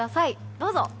どうぞ！